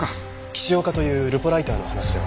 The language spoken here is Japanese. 岸岡というルポライターの話では。